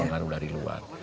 pengaruh dari luar